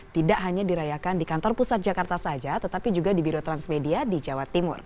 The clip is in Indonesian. tidak hanya dirayakan di kantor pusat jakarta saja tetapi juga di biro transmedia di jawa timur